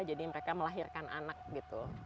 jadi mereka melahirkan anak gitu